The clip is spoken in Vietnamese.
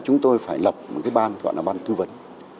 chúng tôi phải lập một cái ban gọi là ban tư vấn